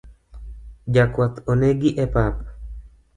Jakwath onegi epap